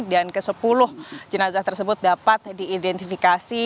dan ke sepuluh jenazah tersebut dapat diidentifikasi